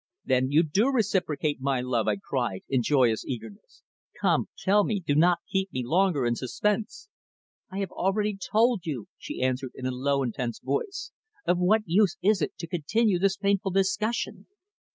"Then you do reciprocate my love?" I cried, in joyous eagerness. "Come, tell me. Do not keep me longer in suspense." "I have already told you," she answered in a low, intense voice. "Of what use is it to continue this painful discussion?"